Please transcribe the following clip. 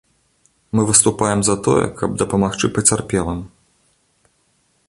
Мы выступаем за тое, каб дапамагчы пацярпелым.